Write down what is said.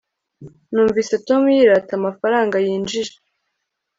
numvise tom yirata amafaranga yinjije